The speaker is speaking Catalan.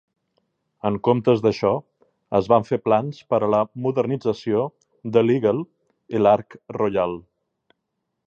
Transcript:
En comptes d'això, es van fer plans per a la modernització de l'"Eagle" i l'"Ark Royal".